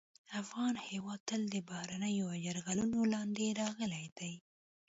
افغان هېواد تل د بهرنیو یرغلونو لاندې راغلی دی